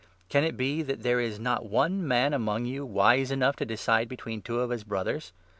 Can it be that there is 5 not one man among you wise enough to decide between two of his Brothers?